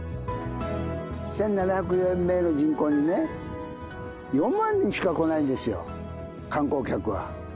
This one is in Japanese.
１７００名の人口にね、４万人しか来ないんですよ、観光客が。